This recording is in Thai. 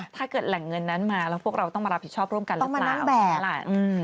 ถ้าเกิดแหล่งเงินนั้นมาแล้วเราต้องมารับผิดชอบร่วมกันหรือเปล่า